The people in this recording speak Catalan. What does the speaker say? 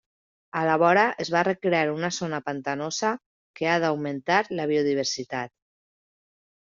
A la vora es va recrear una zona pantanosa que ha d'augmentar la biodiversitat.